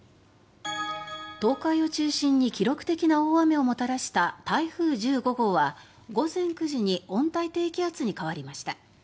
東海を中心に記録的な大雨をもたらした台風１５号は午前９時に温帯低気圧に変わりました。